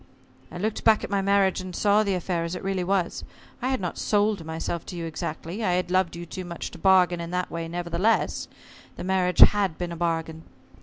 I looked back at my marriage and saw the affair as it really was. I had not sold myself to you exactly I had loved you too much to bargain in that way; nevertheless, the marriage had been a bargain.